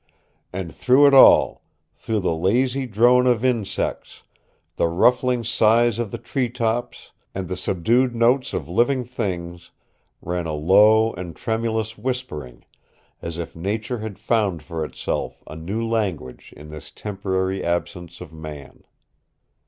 And through it all through the lazy drone of insects, the rustling sighs of the tree tops and the subdued notes of living things ran a low and tremulous whispering, as if nature had found for itself a new language in this temporary absence of man.